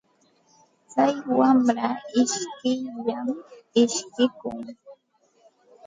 Tsay wamra ishkiyllam ishkikun.